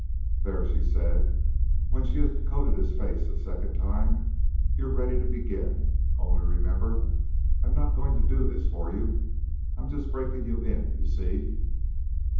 "There," she said, when she had coated his face a second time. "You're ready to begin. Only remember, I'm not always going to do this for you. I'm just breaking you in, you see."